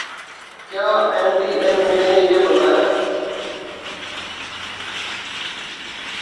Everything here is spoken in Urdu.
کیا این ڈی ایم اے نے یہ بنایا